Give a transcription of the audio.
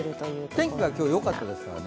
天気は今日よかったですからね。